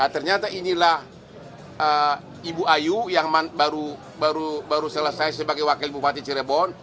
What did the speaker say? ternyata inilah ibu ayu yang baru selesai sebagai wakil bupati cirebon